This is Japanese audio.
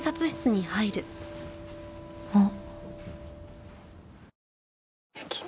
あっ。